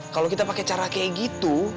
kalau kita pakai cara kayak gitu